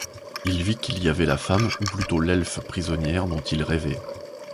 Il vit qu’il y avait la femme, ou plutôt l'elfe prisonnière dont il rêvait.